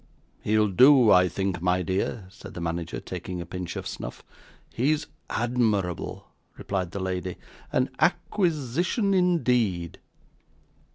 'He'll do, I think, my dear?' said the manager, taking a pinch of snuff. 'He is admirable,' replied the lady. 'An acquisition indeed.